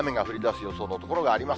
予想の所があります。